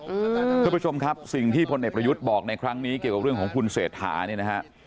คุณผู้ชมครับสิ่งที่พลเอกประยุทธ์บอกในครั้งนี้เกี่ยวกับเรื่องของคุณเศรษฐาเนี่ยนะฮะ